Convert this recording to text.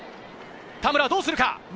田村どうするか。